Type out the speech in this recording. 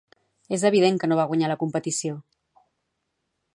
És evident que no va guanyar la competició.